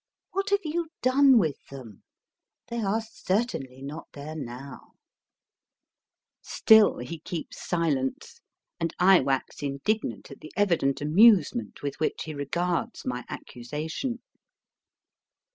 \Vhat have you done with them ? They are certainly not there now. Q2 228 MY FIXST BOOK Still he keeps silence, and I wax indignant at the evident amusement with which he regards my accusation.